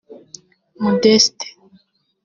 Modeste